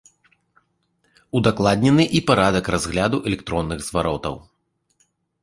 Удакладнены і парадак разгляду электронных зваротаў.